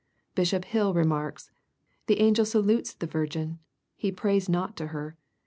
Bishop Hall remarks, "The angel salutes the virgin; he prays not to her.